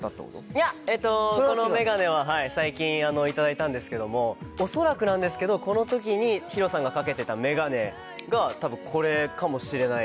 いやこのメガネは最近頂いたんですけども恐らくなんですけどこの時にＨＩＲＯさんが掛けてたメガネが多分これかもしれない。